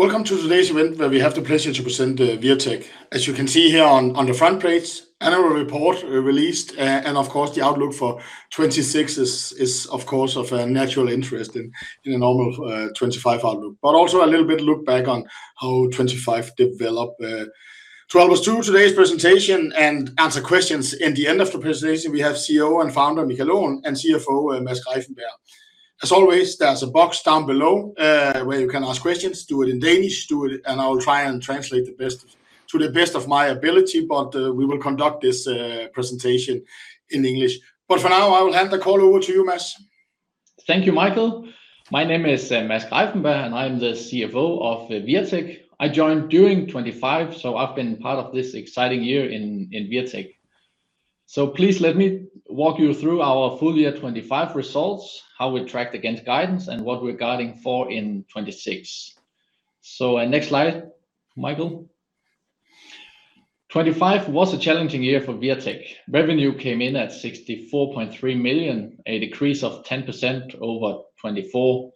Welcome to today's event where we have the pleasure to present, Wirtek. As you can see here on the front page, annual report, released, and of course the outlook for 2026 is of course of a natural interest in a normal 2025 outlook. Also a little bit look back on how 2025 developed, to help us through today's presentation and answer questions. In the end of the presentation, we have CEO and Founder Michael Aaen and CFO, Mads Greiffenberg. As always, there's a box down below, where you can ask questions, do it in Danish, and I will try and translate to the best of my ability, but we will conduct this presentation in English. For now, I will hand the call over to you, Mads. Thank you, Michael. My name is Mads Greiffenberg, and I'm the CFO of Wirtek. I joined during 2025, so I've been part of this exciting year in Wirtek. Please let me walk you through our full year 2025 results, how we tracked against guidance, and what we're guiding for in 2026. Next slide, Michael. 2025 was a challenging year for Wirtek. Revenue came in at 64.3 million, a decrease of 10% over 2024.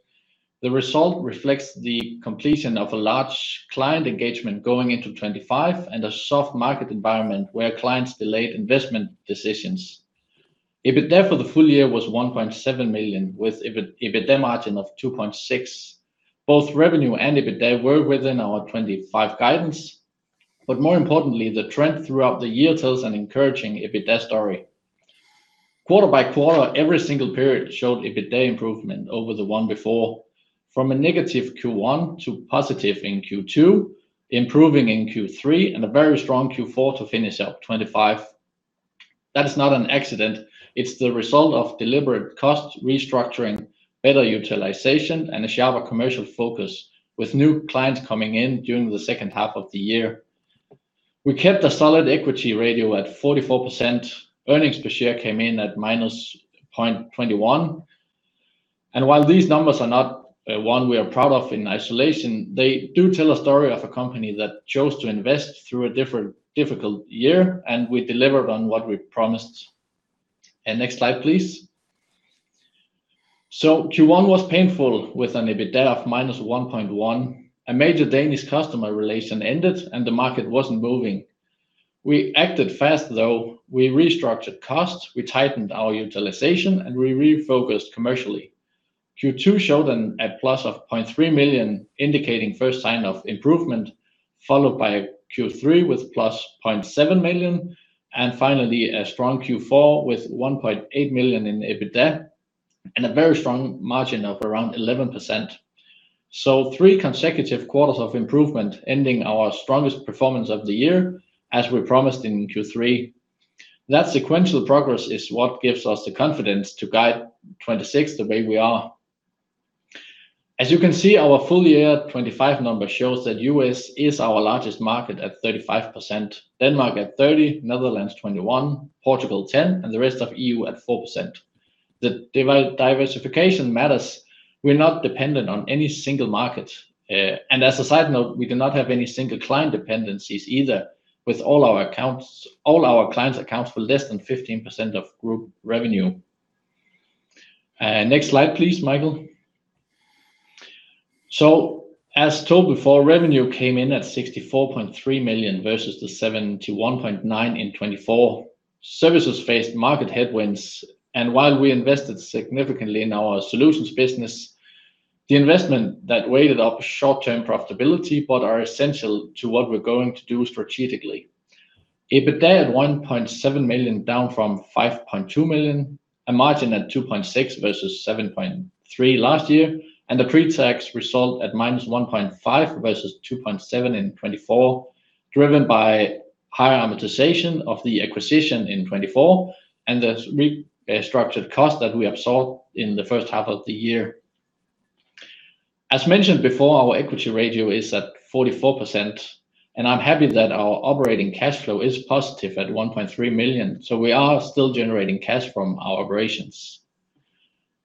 The result reflects the completion of a large client engagement going into 2025 and a soft market environment where clients delayed investment decisions. EBITA for the full year was 1.7 million, with EBITA margin of 2.6%. Both revenue and EBITA were within our 2025 guidance, but more importantly, the trend throughout the year tells an encouraging EBITA story. Quarter-by-quarter, every single period showed EBITA improvement over the one before, from a negative Q1 to positive in Q2, improving in Q3, and a very strong Q4 to finish out 2025. That is not an accident. It's the result of deliberate cost restructuring, better utilization, and a sharper commercial focus with new clients coming in during the second half of the year. We kept a solid equity ratio at 44%. Earnings per share came in at -0.21. While these numbers are not one we are proud of in isolation, they do tell a story of a company that chose to invest through a different difficult year, and we delivered on what we promised. Next slide, please. Q1 was painful with an EBITA of -1.1. A major Danish customer relation ended, and the market wasn't moving. We acted fast though. We restructured costs, we tightened our utilization, and we refocused commercially. Q2 showed a plus of 0.3 million, indicating first sign of improvement, followed by Q3 with plus 0.7 million, and finally a strong Q4 with 1.8 million in EBITA and a very strong margin of around 11%. Three consecutive quarters of improvement ending our strongest performance of the year, as we promised in Q3. That sequential progress is what gives us the confidence to guide 2026 the way we are. As you can see, our full year 2025 number shows that U.S. is our largest market at 35%, Denmark at 30%, Netherlands 21%, Portugal 10%, and the rest of E.U. at 4%. The diversification matters. We're not dependent on any single market. As a side note, we do not have any single client dependencies either, with all our clients' accounts for less than 15% of group revenue. Next slide please, Michael. As told before, revenue came in at 64.3 million versus 71.9 million in 2024. Services faced market headwinds, and while we invested significantly in our solutions business, the investment that weighed on short-term profitability but are essential to what we're going to do strategically. EBITA at 1.7 million, down from 5.2 million, a margin at 2.6% versus 7.3% last year, and the pre-tax result at minus 1.5 versus 2.7 in 2024, driven by higher amortization of the acquisition in 2024 and the restructured costs that we absorbed in the first half of the year. As mentioned before, our equity ratio is at 44%, and I'm happy that our operating cash flow is positive at 1.3 million, so we are still generating cash from our operations.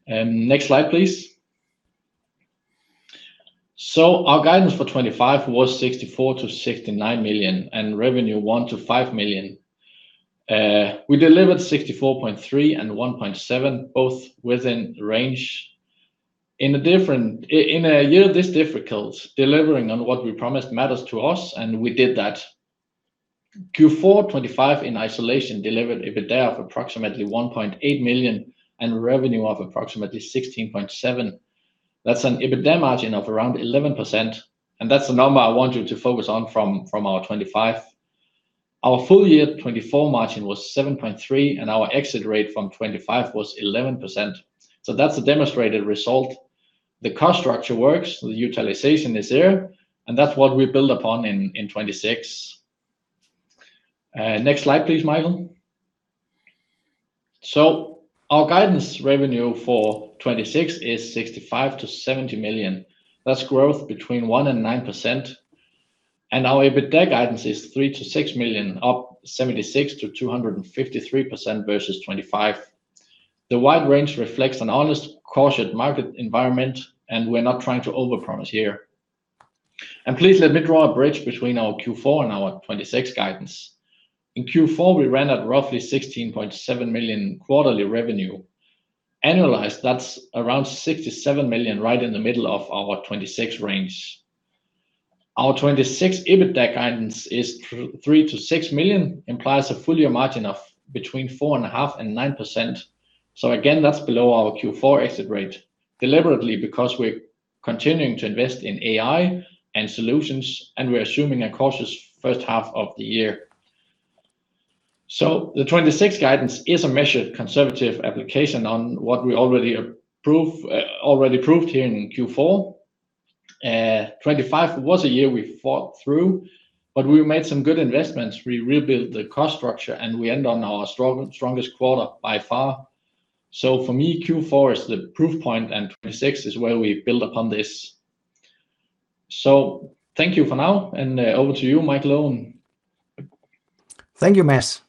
Next slide please. Our guidance for 2025 was 64-69 million, and EBITA 1-5 million. We delivered 64.3 million and 1.7 million, both within range. In a year this difficult, delivering on what we promised matters to us, and we did that. Q4 2025 in isolation delivered EBITA of approximately 1.8 million and revenue of approximately 16.7 million. That's an EBITA margin of around 11%, and that's the number I want you to focus on from our 2025. Our full year 2024 margin was 7.3%, and our exit rate from 2025 was 11%. That's a demonstrated result. The cost structure works, the utilization is there, and that's what we build upon in 2026. Next slide please, Michael. Our guidance revenue for 2026 is 65 million-70 million. That's growth between 1% and 9%. Our EBITA guidance is 3 million-6 million, up 76%-253% versus 2025. The wide range reflects an honest, cautious market environment, and we're not trying to overpromise here. Please let me draw a bridge between our Q4 and our 2026 guidance. In Q4, we ran at roughly 16.7 million quarterly revenue. Annualized, that's around 67 million, right in the middle of our 2026 range. Our 2026 EBITA guidance is three to six million, implies a full year margin of between 4.5% and 9%. Again, that's below our Q4 exit rate, deliberately because we're continuing to invest in AI and solutions, and we're assuming a cautious first half of the year. The 2026 guidance is a measured conservative application on what we already approved, already proved here in Q4. 2025 was a year we fought through, but we made some good investments. We rebuilt the cost structure, and we end on our strongest quarter by far. For me, Q4 is the proof point and 2026 is where we build upon this. Thank you for now, and over to you, Michael Aaen. Thank you, Mads.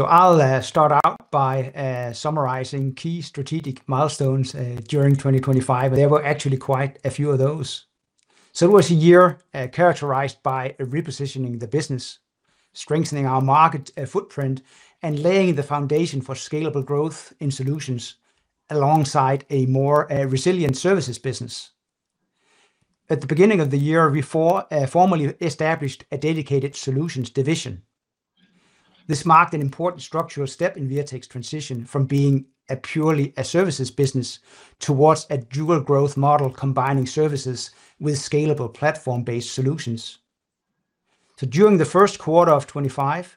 I'll start out by summarizing key strategic milestones during 2025. There were actually quite a few of those. It was a year characterized by repositioning the business, strengthening our market footprint, and laying the foundation for scalable growth in solutions alongside a more resilient services business. At the beginning of the year, we formally established a dedicated solutions division. This marked an important structural step in Wirtek's transition from being purely a services business towards a dual growth model, combining services with scalable platform-based solutions. During the first quarter of 2025,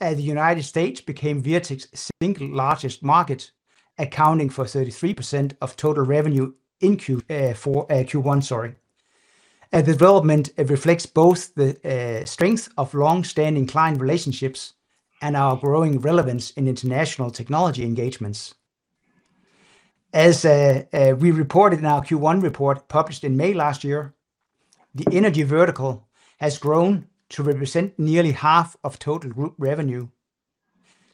the United States became Wirtek's single largest market, accounting for 33% of total revenue in Q1, sorry. This development reflects both the strength of long-standing client relationships and our growing relevance in international technology engagements. As we reported in our Q1 report published in May last year, the energy vertical has grown to represent nearly half of total group revenue.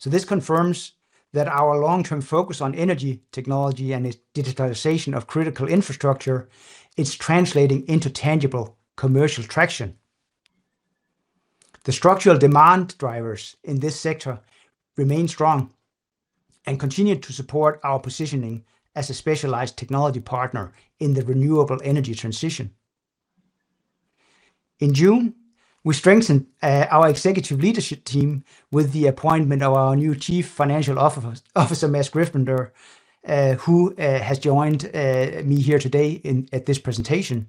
This confirms that our long-term focus on energy technology and its digitalization of critical infrastructure is translating into tangible commercial traction. The structural demand drivers in this sector remain strong and continue to support our positioning as a specialized technology partner in the renewable energy transition. In June, we strengthened our executive leadership team with the appointment of our new Chief Financial Officer Mads Greiffenberg, who has joined me here today at this presentation.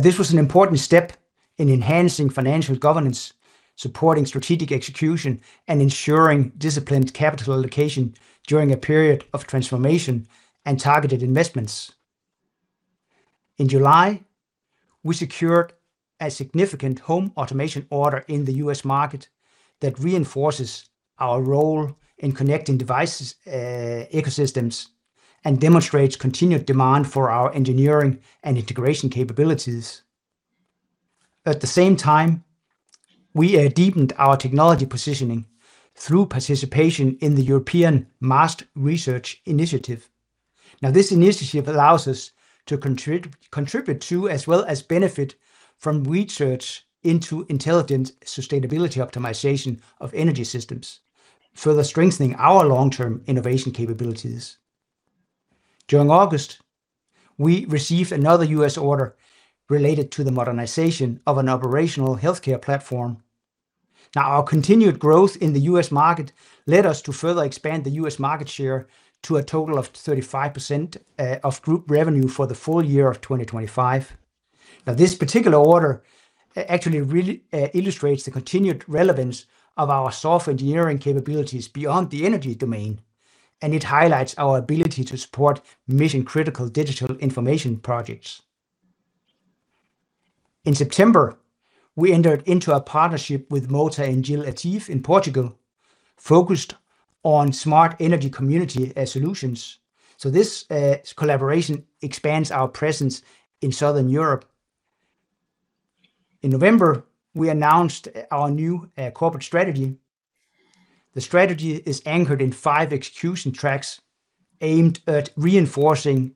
This was an important step in enhancing financial governance, supporting strategic execution, and ensuring disciplined capital allocation during a period of transformation and targeted investments. In July, we secured a significant home automation order in the U.S. market that reinforces our role in connecting devices, ecosystems, and demonstrates continued demand for our engineering and integration capabilities. At the same time, we deepened our technology positioning through participation in the European MAST Research Initiative. Now, this initiative allows us to contribute to as well as benefit from research into intelligent sustainability optimization of energy systems, further strengthening our long-term innovation capabilities. During August, we received another U.S. order related to the modernization of an operational healthcare platform. Now, our continued growth in the U.S. market led us to further expand the U.S. market share to a total of 35% of group revenue for the full year of 2025. Now, this particular order actually really illustrates the continued relevance of our software engineering capabilities beyond the energy domain, and it highlights our ability to support mission-critical digital information projects. In September, we entered into a partnership with Mota-Engil ATIV in Portugal focused on smart energy community solutions. This collaboration expands our presence in Southern Europe. In November, we announced our new corporate strategy. The strategy is anchored in five execution tracks aimed at reinforcing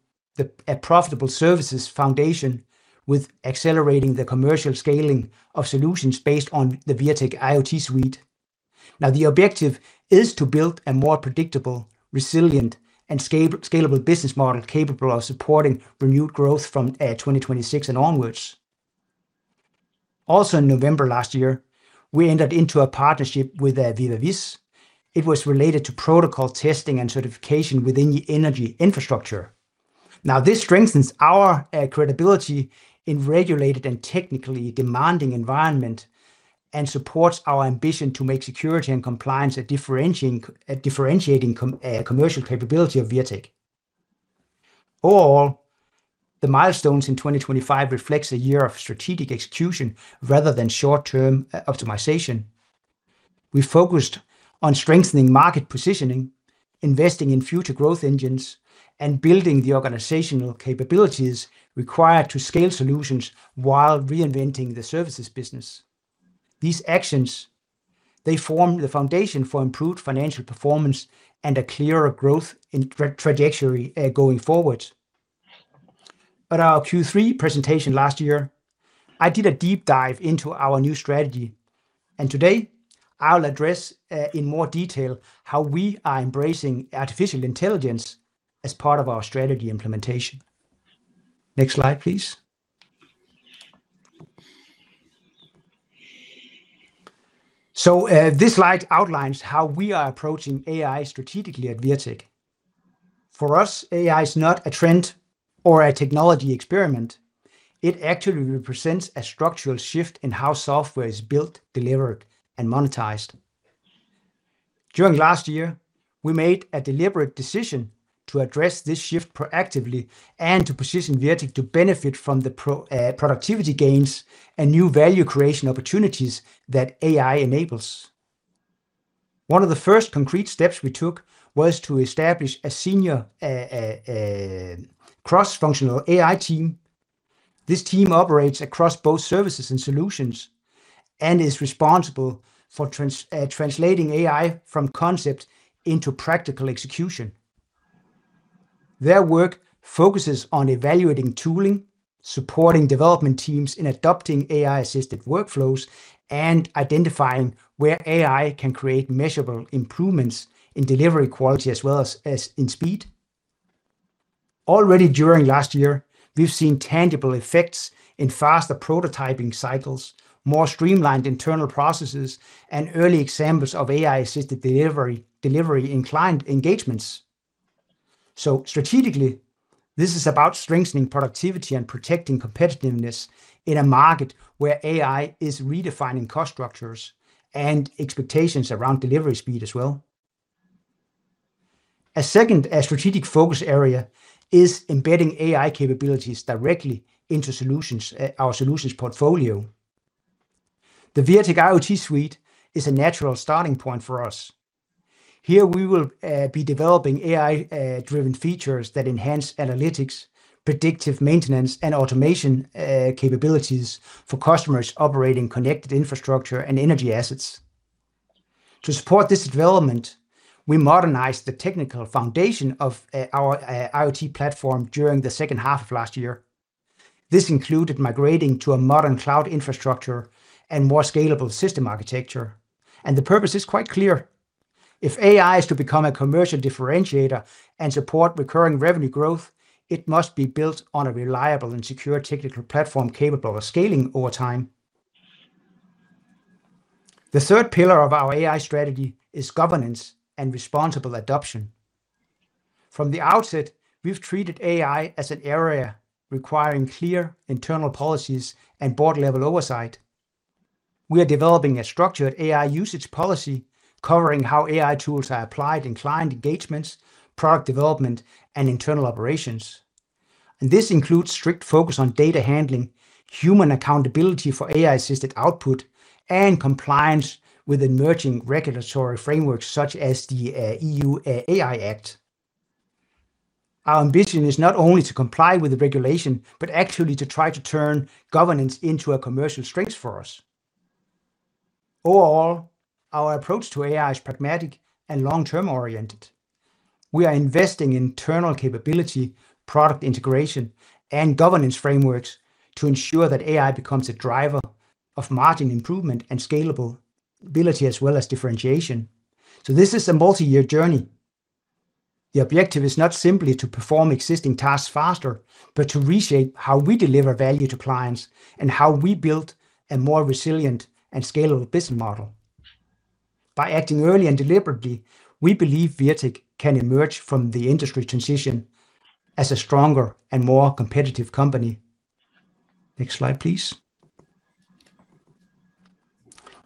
a profitable services foundation with accelerating the commercial scaling of solutions based on the Wirtek IoT Suite. Now, the objective is to build a more predictable, resilient, and scalable business model capable of supporting renewed growth from 2026 and onwards. Also, in November last year, we entered into a partnership with VIVAVIS. It was related to protocol testing and certification within the energy infrastructure. Now, this strengthens our credibility in regulated and technically demanding environment and supports our ambition to make security and compliance a differentiating commercial capability of Wirtek. All the milestones in 2025 reflects a year of strategic execution rather than short-term optimization. We focused on strengthening market positioning, investing in future growth engines, and building the organizational capabilities required to scale solutions while reinventing the services business. These actions, they form the foundation for improved financial performance and a clearer growth trajectory going forward. At our Q3 presentation last year, I did a deep dive into our new strategy, and today I will address in more detail how we are embracing artificial intelligence as part of our strategy implementation. Next slide, please. This slide outlines how we are approaching AI strategically at Wirtek. For us, AI is not a trend or a technology experiment. It actually represents a structural shift in how software is built, delivered, and monetized. During last year, we made a deliberate decision to address this shift proactively and to position Wirtek to benefit from the productivity gains and new value creation opportunities that AI enables. One of the first concrete steps we took was to establish a senior cross-functional AI team. This team operates across both services and solutions and is responsible for translating AI from concept into practical execution. Their work focuses on evaluating tooling, supporting development teams in adopting AI-assisted workflows, and identifying where AI can create measurable improvements in delivery quality as well as in speed. Already during last year, we've seen tangible effects in faster prototyping cycles, more streamlined internal processes, and early examples of AI-assisted delivery in client engagements. Strategically, this is about strengthening productivity and protecting competitiveness in a market where AI is redefining cost structures and expectations around delivery speed as well. A second strategic focus area is embedding AI capabilities directly into solutions, our solutions portfolio. The Wirtek IoT Suite is a natural starting point for us. Here we will be developing AI driven features that enhance analytics, predictive maintenance, and automation capabilities for customers operating connected infrastructure and energy assets. To support this development, we modernized the technical foundation of our IoT platform during the second half of last year. This included migrating to a modern cloud infrastructure and more scalable system architecture. The purpose is quite clear. If AI is to become a commercial differentiator and support recurring revenue growth, it must be built on a reliable and secure technical platform capable of scaling over time. The third pillar of our AI strategy is governance and responsible adoption. From the outset, we've treated AI as an area requiring clear internal policies and board-level oversight. We are developing a structured AI usage policy covering how AI tools are applied in client engagements, product development, and internal operations. This includes strict focus on data handling, human accountability for AI-assisted output, and compliance with emerging regulatory frameworks such as the EU AI Act. Our ambition is not only to comply with the regulation, but actually to try to turn governance into a commercial strength for us. Overall, our approach to AI is pragmatic and long-term oriented. We are investing in internal capability, product integration, and governance frameworks to ensure that AI becomes a driver of margin improvement and scalable ability, as well as differentiation. This is a multi-year journey. The objective is not simply to perform existing tasks faster, but to reshape how we deliver value to clients and how we build a more resilient and scalable business model. By acting early and deliberately, we believe Wirtek can emerge from the industry transition as a stronger and more competitive company. Next slide, please.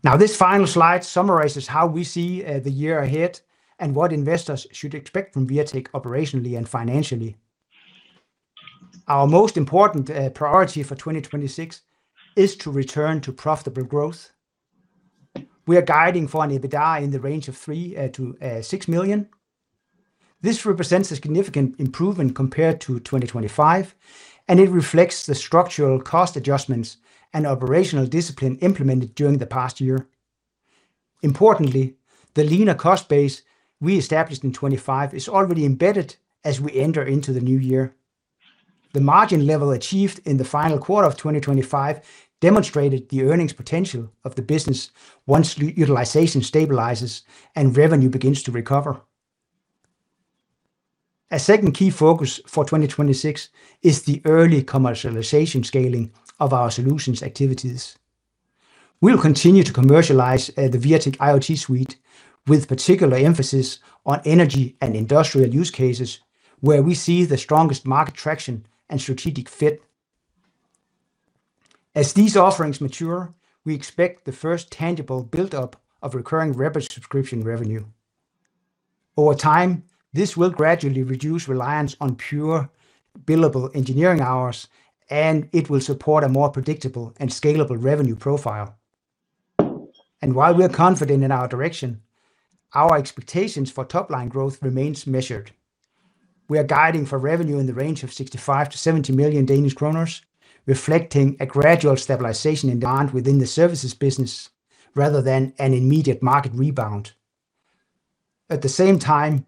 Now, this final slide summarizes how we see the year ahead and what investors should expect from Wirtek operationally and financially. Our most important priority for 2026 is to return to profitable growth. We are guiding for an EBITDA in the range of 3 million-6 million. This represents a significant improvement compared to 2025, and it reflects the structural cost adjustments and operational discipline implemented during the past year. Importantly, the leaner cost base we established in 2025 is already embedded as we enter into the new year. The margin level achieved in the final quarter of 2025 demonstrated the earnings potential of the business once utilization stabilizes and revenue begins to recover. A second key focus for 2026 is the early commercialization scaling of our solutions activities. We'll continue to commercialize the Wirtek IoT Suite with particular emphasis on energy and industrial use cases where we see the strongest market traction and strategic fit. As these offerings mature, we expect the first tangible build-up of recurring revenue, subscription revenue. Over time, this will gradually reduce reliance on pure billable engineering hours, and it will support a more predictable and scalable revenue profile. While we are confident in our direction, our expectations for top-line growth remains measured. We are guiding for revenue in the range of 65 million-70 million Danish kroner, reflecting a gradual stabilization in demand within the services business rather than an immediate market rebound. At the same time,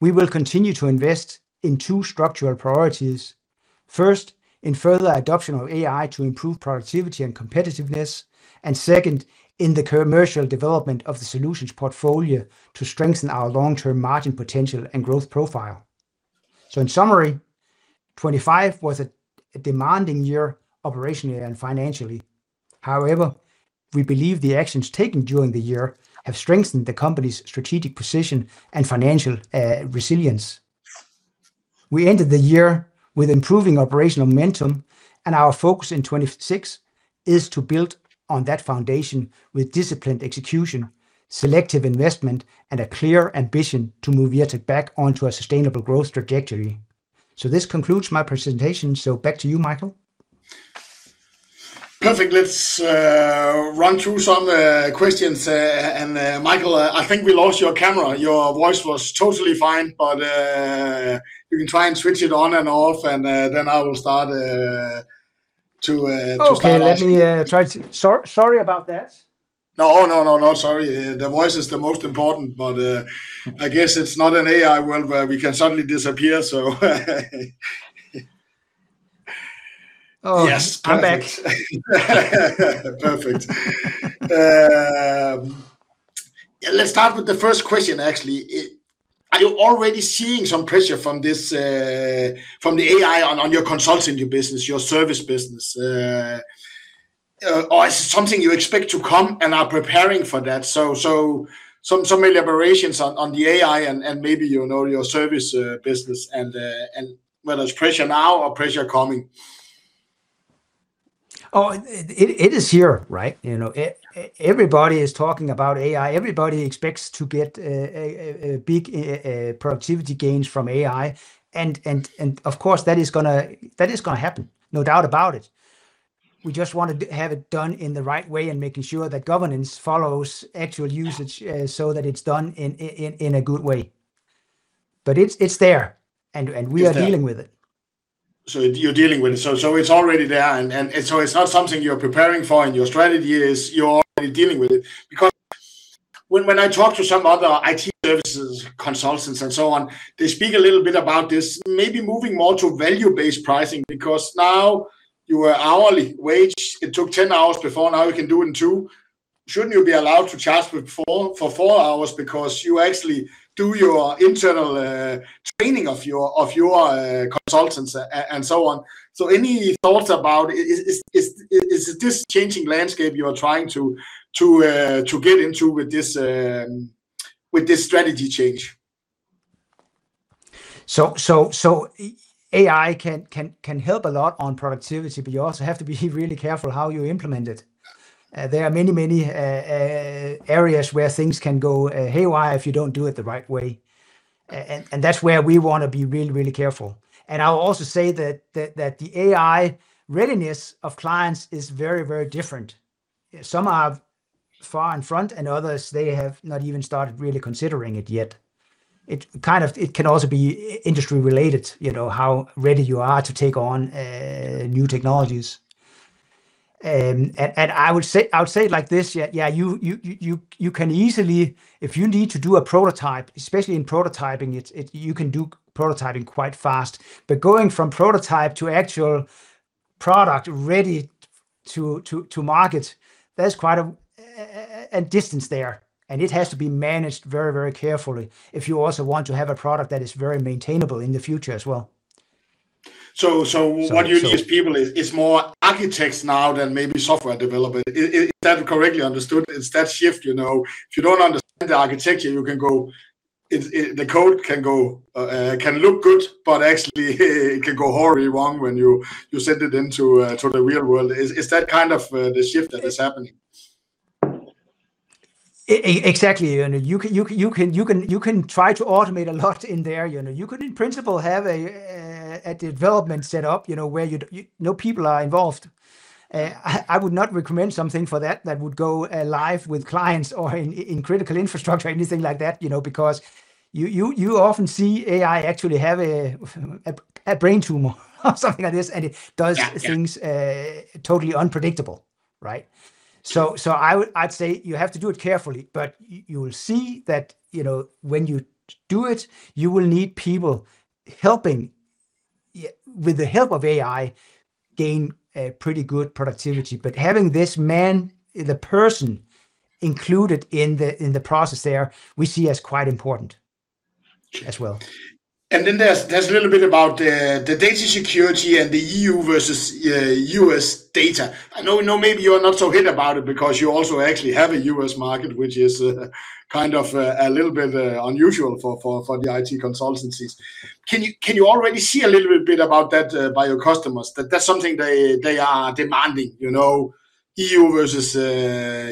we will continue to invest in two structural priorities. First, in further adoption of AI to improve productivity and competitiveness. Second, in the commercial development of the solutions portfolio to strengthen our long-term margin potential and growth profile. In summary, 2025 was a demanding year operationally and financially. However, we believe the actions taken during the year have strengthened the company's strategic position and financial resilience. We ended the year with improving operational momentum, and our focus in 2026 is to build on that foundation with disciplined execution, selective investment, and a clear ambition to move at the back onto a sustainable growth trajectory. This concludes my presentation, so back to you, Michael. Perfect. Let's run through some questions. Michael, I think we lost your camera. Your voice was totally fine, but you can try and switch it on and off, and then I will start asking. Sorry about that. No, sorry. The voice is the most important, but I guess it's not an AI world where we can suddenly disappear, so. Oh, I'm back. Yes, perfect. Yeah, let's start with the first question, actually. Are you already seeing some pressure from this, from the AI on your consulting, your business, your service business? Or is it something you expect to come and are preparing for that? Some elaborations on the AI and maybe, you know, your service business and whether it's pressure now or pressure coming. Oh, it is here, right? You know, everybody is talking about AI. Everybody expects to get a big productivity gains from AI. Of course, that is gonna happen. No doubt about it. We just want to have it done in the right way and making sure that governance follows actual usage, so that it's done in a good way. It's there. It's there. We are dealing with it. You're dealing with it. It's already there. It's not something you're preparing for, and your strategy is you're already dealing with it. Because when I talk to some other IT services, consultants and so on, they speak a little bit about this, maybe moving more to value-based pricing, because now you are hourly wage, it took 10 hours before, now you can do in two. Shouldn't you be allowed to charge for four hours because you actually do your internal training of your consultants and so on. Any thoughts about is this changing landscape you are trying to get into with this strategy change? AI can help a lot on productivity, but you also have to be really careful how you implement it. There are many areas where things can go haywire if you don't do it the right way. That's where we wanna be really careful. I'll also say that the AI readiness of clients is very different. Some are far in front, and others, they have not even started really considering it yet. It can also be industry related, you know, how ready you are to take on new technologies. I would say it like this, yeah, you can easily. If you need to do a prototype, especially in prototyping, it's you can do prototyping quite fast. Going from prototype to actual product ready to market, there's quite a distance there, and it has to be managed very, very carefully if you also want to have a product that is very maintainable in the future as well. What you need is people, is more architects now than maybe software developer. Is that correctly understood? It's that shift, you know, if you don't understand the architecture, you can go. The code can look good, but actually it can go horribly wrong when you send it into to the real world. Is that kind of the shift that is happening? Exactly. You know, you can try to automate a lot in there, you know. You could in principle have a development set up, you know, where no people are involved. I would not recommend something for that that would go live with clients or in critical infrastructure or anything like that, you know, because you often see AI actually have a brain tumor or something like this, and it does things. Yeah Totally unpredictable, right? I would say you have to do it carefully, but you will see that, you know, when you do it, you will need people helping. With the help of AI, gain a pretty good productivity. Having this man, the person included in the process there, we see as quite important as well. There's a little bit about the data security and the E.U. versus U.S. data. I know maybe you are not so hot about it because you also actually have a U.S. market, which is kind of a little bit unusual for the IT consultancies. Can you already see a little bit about that from your customers, that that's something they are demanding? You know, E.U. versus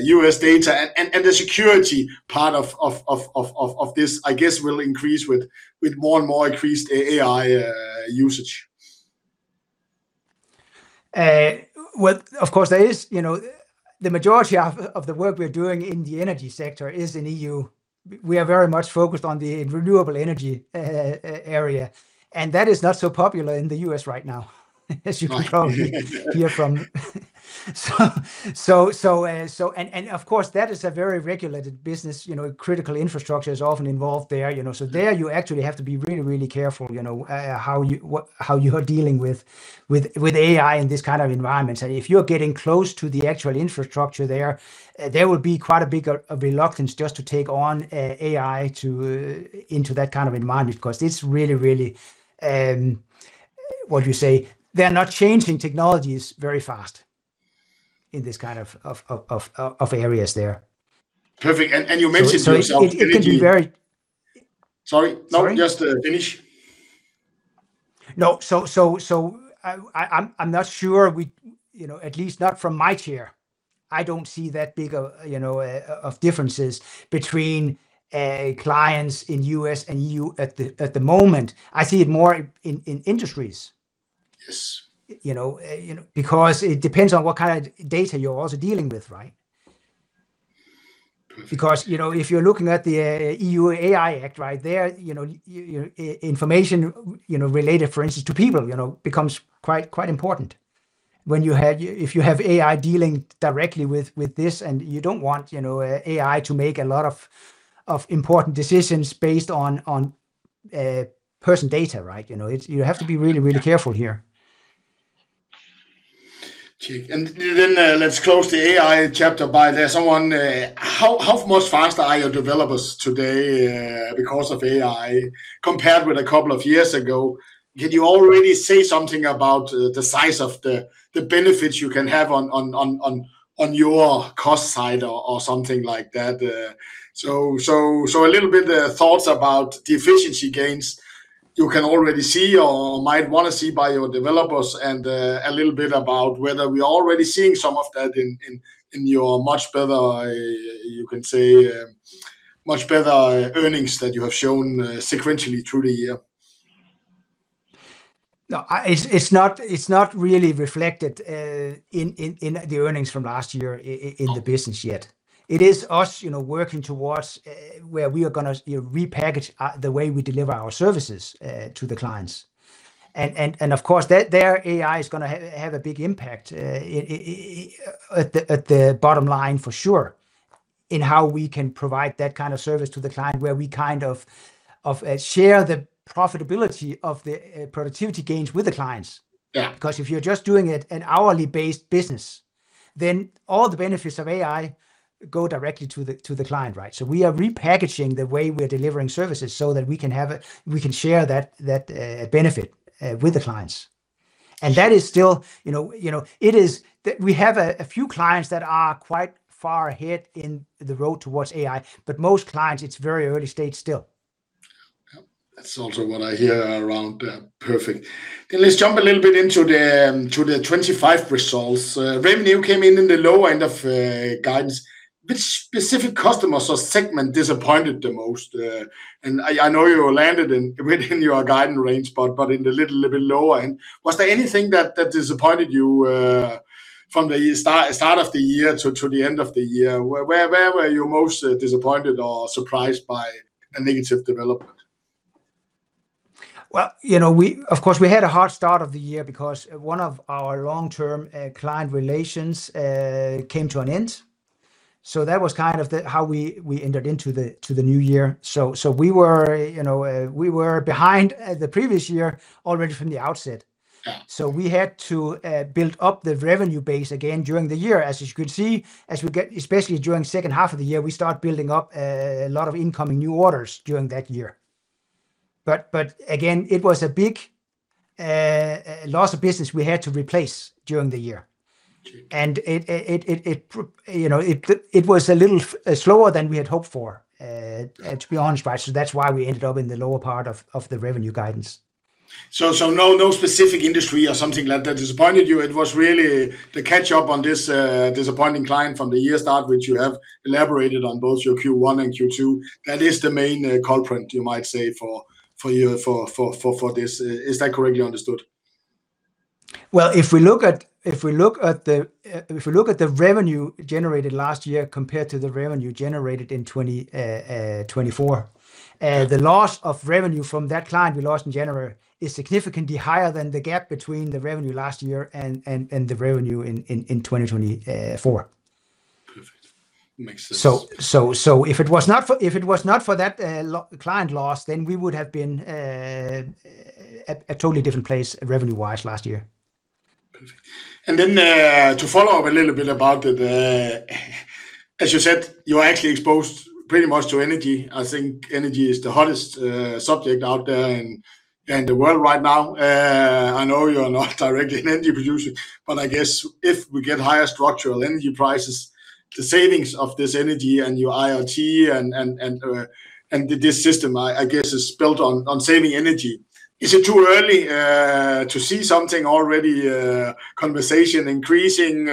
U.S. data and the security part of this, I guess, will increase with more and more increased AI usage. Well, of course, there is. You know, the majority of the work we're doing in the energy sector is in the E.U. We are very much focused on the renewable energy area, and that is not so popular in the U.S. right now, as you can probably hear from so, and of course that is a very regulated business. You know, critical infrastructure is often involved there, you know. There you actually have to be really careful, you know, how you are dealing with AI in this kind of environment. If you're getting close to the actual infrastructure there will be quite a big reluctance just to take on AI into that kind of environment. Cause it's really, really, what you say, they're not changing technologies very fast in this kind of areas there. Perfect. You mentioned to yourself energy. It can be very. Sorry. Sorry. No, just, finish. No. I'm not sure we, you know, at least not from my chair, I don't see that big a, you know, of differences between clients in U.S. and E.U. at the moment. I see it more in industries. Yes. You know? You know, because it depends on what kind of data you're also dealing with, right? Perfect. Because, you know, if you're looking at the EU AI Act right there, you know, your information, you know, related for instance to people, you know, becomes quite important. If you have AI dealing directly with this, and you don't want, you know, AI to make a lot of important decisions based on personal data, right? You know, it's you have to be really careful here. Let's close the AI chapter how much faster are your developers today because of AI compared with a couple of years ago? Can you already say something about the size of the benefits you can have on your cost side or something like that? So a little bit thoughts about the efficiency gains you can already see or might wanna see by your developers and a little bit about whether we are already seeing some of that in your much better, you can say, much better earnings that you have shown sequentially through the year. No, it's not really reflected in the earnings from last year in the business yet. Oh. It is us, you know, working towards where we are gonna, you know, repackage the way we deliver our services to the clients. Of course, the AI is gonna have a big impact at the bottom line for sure in how we can provide that kind of service to the client, where we kind of share the profitability of the productivity gains with the clients. Yeah. Because if you're just doing it an hourly based business, then all the benefits of AI go directly to the client, right? We are repackaging the way we are delivering services so that we can share that benefit with the clients. Sure. That is still, you know, it is. We have a few clients that are quite far ahead on the road towards AI, but most clients, it's very early stage still. Yeah. That's also what I hear around. Yeah. Perfect. Let's jump a little bit into the 2025 results. Revenue came in the low end of guidance. Which specific customers or segment disappointed the most? I know you landed within your guidance range, but in the little low end, was there anything that disappointed you from the start of the year to the end of the year? Where were you most disappointed or surprised by a negative development? Well, you know, we of course had a hard start of the year because one of our long-term client relations came to an end. That was kind of how we entered into the new year. We were, you know, behind the previous year already from the outset. Yeah. We had to build up the revenue base again during the year. As you could see, especially during second half of the year, we start building up a lot of incoming new orders during that year. Again, it was a big loss of business we had to replace during the year. Sure. You know, it was a little slower than we had hoped for, to be honest, right? That's why we ended up in the lower part of the revenue guidance. No specific industry or something like that disappointed you. It was really the catch up on this disappointing client from the year start, which you have elaborated on both your Q1 and Q2. That is the main culprit, you might say for this. Is that correctly understood? Well, if we look at the revenue generated last year compared to the revenue generated in 2024. Okay The loss of revenue from that client we lost in January is significantly higher than the gap between the revenue last year and the revenue in 2024. Perfect. Makes sense. If it was not for that client loss, then we would have been at totally different place revenue wise last year. Perfect. To follow up a little bit about the, as you said, you are actually exposed pretty much to energy. I think energy is the hottest subject out there in the world right now. I know you are not directly in energy production, but I guess if we get higher structural energy prices, the savings of this energy and your IoT and this system, I guess is built on saving energy. Is it too early to see something already, conversation increasing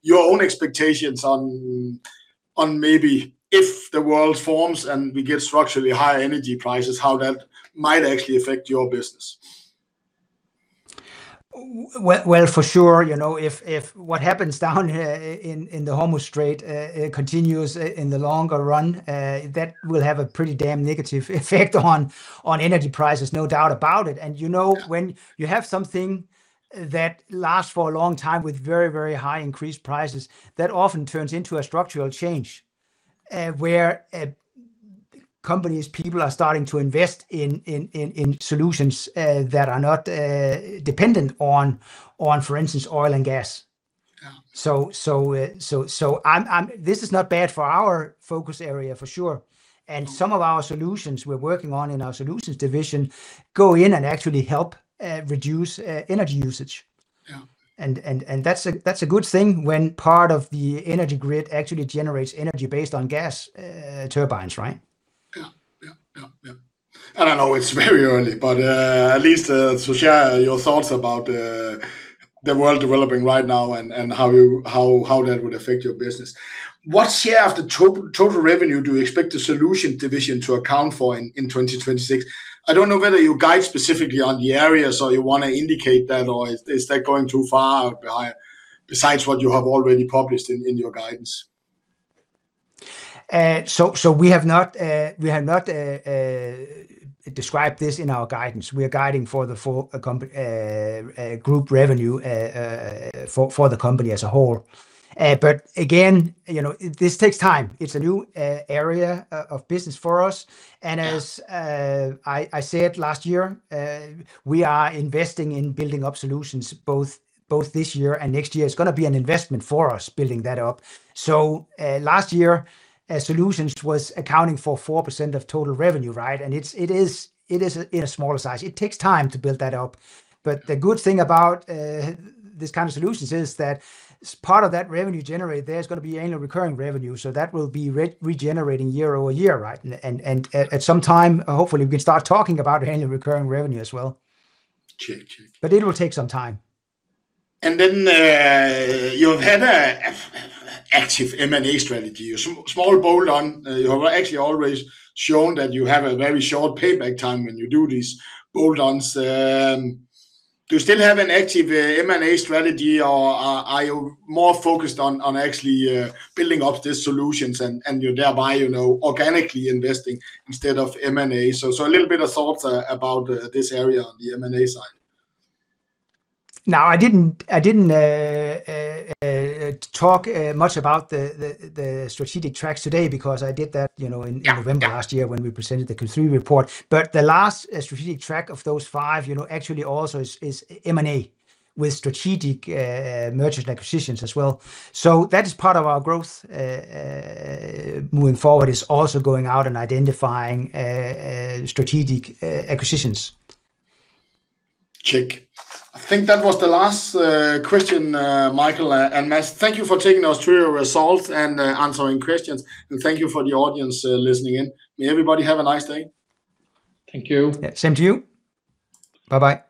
your own expectations on maybe if the world forms and we get structurally high energy prices, how that might actually affect your business? Well, for sure, you know, if what happens down here in the Hormuz Strait continues in the longer run, that will have a pretty damn negative effect on energy prices, no doubt about it. You know, when you have something that lasts for a long time with very, very high increased prices, that often turns into a structural change. Where companies, people are starting to invest in solutions that are not dependent on, for instance, oil and gas. Yeah. This is not bad for our focus area, for sure. Yeah. Some of our solutions we're working on in our solutions division go in and actually help reduce energy usage. Yeah. That's a good thing when part of the energy grid actually generates energy based on gas turbines, right? Yeah. I know it's very early, but at least so share your thoughts about the world developing right now and how that would affect your business. What share of the total revenue do we expect the solution division to account for in 2026? I don't know whether you guide specifically on the area, so you wanna indicate that or is that going too far, or besides what you have already published in your guidance? We have not described this in our guidance. We are guiding for the group revenue for the company as a whole. Again, you know, this takes time. It's a new area of business for us. Yeah. As I said last year, we are investing in building up solutions both this year and next year. It's gonna be an investment for us building that up. Last year, solutions was accounting for 4% of total revenue, right? It's in a smaller size. It takes time to build that up. The good thing about this kind of solutions is that part of that revenue generated, there's gonna be annual recurring revenue, so that will be regenerating year-over-year, right? At some time, hopefully we can start talking about annual recurring revenue as well. Check, check. It'll take some time. You've had an active M&A strategy. Small bolt-on, you have actually always shown that you have a very short payback time when you do these bolt-ons. Do you still have an active M&A strategy or are you more focused on actually building up these solutions and you thereby, you know, organically investing instead of M&A? A little bit of thoughts about this area on the M&A side. Now, I didn't talk much about the strategic tracks today because I did that, you know. Yeah, yeah. in November last year when we presented the Q3 report. The last strategic track of those five, you know, actually also is M&A, with strategic mergers and acquisitions as well. That is part of our growth moving forward, is also going out and identifying strategic acquisitions. Check. I think that was the last question, Michael and Mads. Thank you for taking us through your results and answering questions, and thank you for the audience listening in. May everybody have a nice day. Thank you. Yeah. Same to you. Bye-bye.